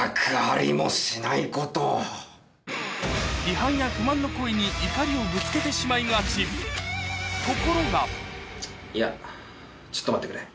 批判や不満の声に怒りをぶつけてしまいがちところがいやちょっと待ってくれ。